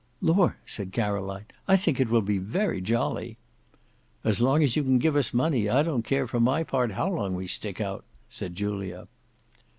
"Lor!" said Caroline, "I think it will be very jolly." "As long as you can give us money, I don't care, for my part, how long we stick out," said Julia.